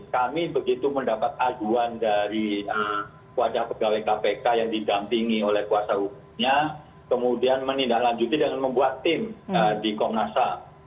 kami begitu mendapat aduan dari wajah pegawai kpk yang didampingi oleh kuasa hukumnya kemudian menindaklanjuti dengan membuat tim di komnas ham